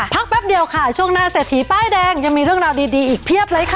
แป๊บเดียวค่ะช่วงหน้าเศรษฐีป้ายแดงยังมีเรื่องราวดีอีกเพียบเลยค่ะ